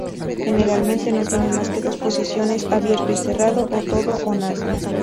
Generalmente no tiene más que dos posiciones: abierto y cerrado, o todo y nada.